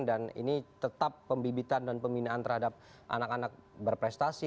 dan ini tetap pembibitan dan pembinaan terhadap anak anak berprestasi